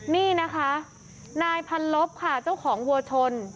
นี่นะคะนายพันลบค่ะเจ้าของวัวชน